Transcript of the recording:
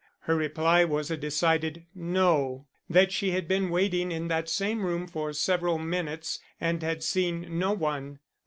Her reply was a decided "No"; that she had been waiting in that same room for several minutes and had seen no one.